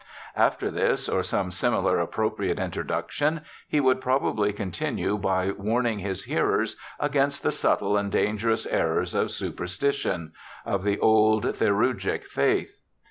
After this, or some similar appropriate introduction, he would probably continue by warning his hearers against the subtle and dangerous errors of superstition — of the old thcurgic faith.